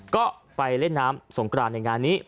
ก็ไปเล่นน้ำสงกรานในงานนี้